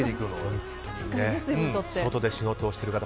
外で仕事をしている方